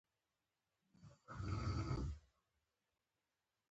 موسهي ولسوالۍ نږدې ده؟